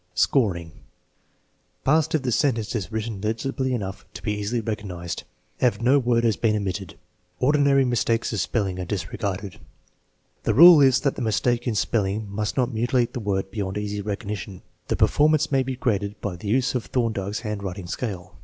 Scoring* Passed if the sentence is written legibly enough to be easily recognized, and if no word has been omitted. Ordinary mistakes of spelling are disregarded. The rule is that the mistake in spelling must not mutilate the word beyond easy recognition. The performance may be graded by the use of Thorndike's handwriting scale.